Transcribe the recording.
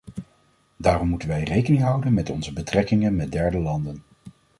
Daarom moeten wij rekening houden met onze betrekkingen met derde landen.